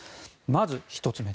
まず１つ目。